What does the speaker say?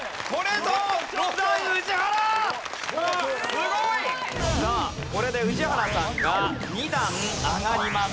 すごい！さあこれで宇治原さんが２段上がります。